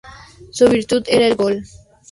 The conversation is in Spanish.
Su virtud era el gol.